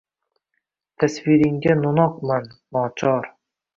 Tasviringga no’noqman, nochor…